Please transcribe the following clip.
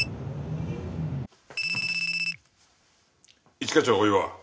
一課長大岩。